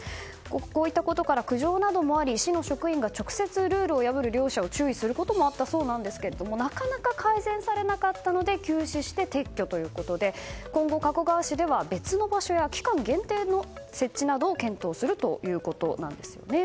こういったことから苦情もあり市の職員が直接ルールを破る利用者を注意することもあったそうなんですがなかなか改善されなかったので休止して撤去ということで今後、加古川市では別の場所や期間限定の設置を検討するということなんです。